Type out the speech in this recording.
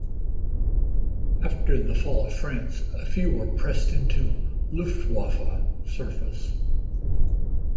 After the fall of France, a few were pressed into "Luftwaffe" service.